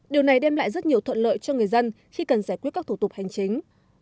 điều này đem lại rất nhiều thuận lợi cho người dân khi cần giải quyết các thủ tục hành chính